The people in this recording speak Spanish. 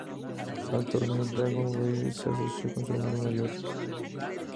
Para el torneo, Dragon Lee se asoció con su hermano mayor Rush.